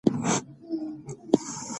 د طبیعت د ساتنې پروګرامونه ځوانان پرمخ وړي.